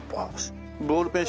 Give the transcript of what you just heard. ボールペン？